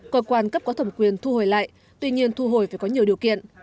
cơ quan cấp có thẩm quyền thu hồi lại tuy nhiên thu hồi phải có nhiều điều kiện